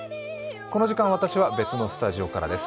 この時間、私は別のスタジオからです。